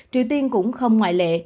triều tiên cũng không ngoại lệ